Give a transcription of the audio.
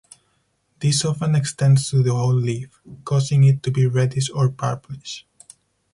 This often extends to the whole leaf, causing it to be reddish or purplish.